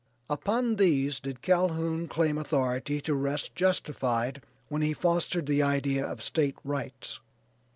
Upon these did Calhoun claim authority to rest justified when he fostered the idea of State Rights.